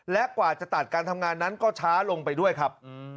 และกว่าจะตัดการทำงานนั้นก็ช้าลงไปด้วยครับ